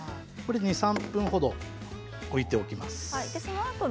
３分程、置いておきます。